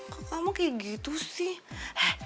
kok kamu kayak gitu sih